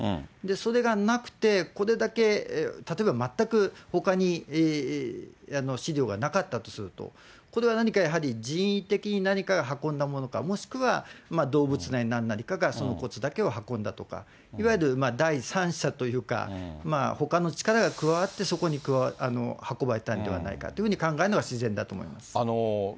それがなくて、これだけ、例えば全くほかにしりょうがなかったとすると、これは何かやはり人為的に何かが運んだものか、もしくは動物なりなんなりがその骨だけを運んだとか、いわゆる第三者というか、ほかの力が加わって、そこに運ばれたんではないかというふうに考えるのが自然だと思います。